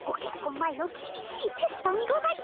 前のきびしいテストにございます。